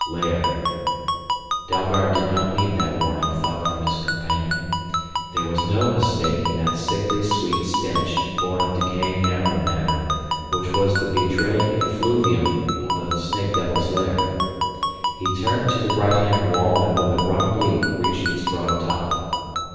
"Lair " Dalgard did not need that warning thought from his companion. There was no mistaking that sickly sweet stench born of decaying animal matter, which was the betraying effluvium of a snake devil's lair. He turned to the right hand wall and with a running leap reached its broad top.